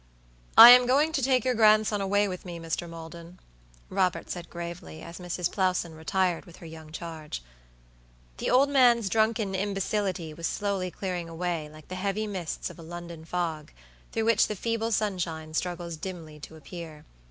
"I am going to take your grandson away with me, Mr. Maldon," Robert said gravely, as Mrs. Plowson retired with her young charge. The old man's drunken imbecility was slowly clearing away like the heavy mists of a London fog, through which the feeble sunshine struggles dimly to appear.